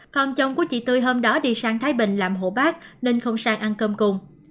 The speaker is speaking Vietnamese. còn chồng của chị tươi hôm đó đi sang thái bình làm hộ bác nên không sang ăn cơm cùng